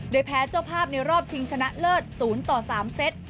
โดยแพ้เจ้าภาพในรอบชิงชนะเลิศ๐ต่อ๓เซต